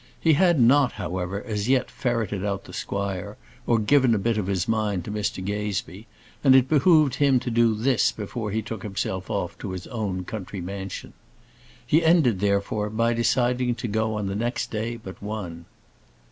He had not, however, as yet ferreted out the squire, or given a bit of his mind to Mr Gazebee, and it behoved him to do this before he took himself off to his own country mansion. He ended, therefore, by deciding to go on the next day but one.